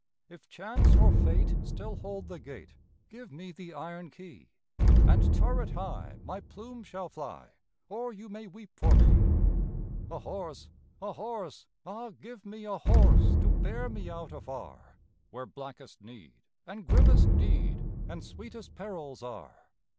If Chance or Fate still hold the gate, Give me the iron key, And turret high, my plume shall fly, Or you may weep for me! A horse! A horse! Ah, give me a horse, To bear me out afar, Where blackest need and grimmest deed, And sweetest perils are.